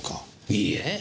いいえ。